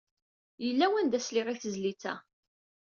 Yella wanda sliɣ i tezlit-a.